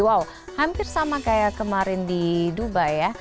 wow hampir sama kayak kemarin di dubai ya